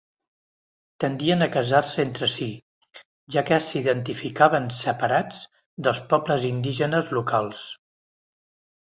Tendien a casar-se entre si, ja que s'identificaven separats dels pobles indígenes locals.